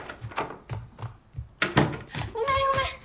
ごめんごめん！